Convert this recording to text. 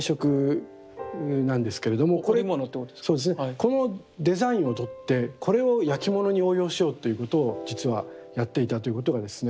このデザインをとってこれをやきものに応用しようということを実はやっていたということがですね